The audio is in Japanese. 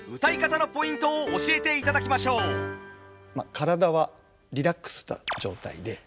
体はリラックスした状態で。